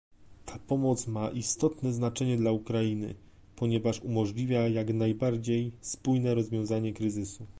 Ta pomoc ma istotne znaczenie dla Ukrainy, ponieważ umożliwia jak najbardziej spójne rozwiązanie kryzysu